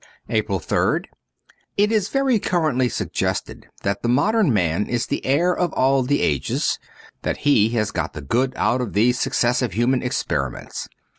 APRIL 3rd IT is very currently suggested that the modern man is the heir of all the ages, that he has got the good out of these successive human experiments.